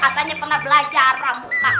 katanya pernah belajar orang orang